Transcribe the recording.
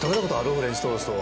フレンチトースト。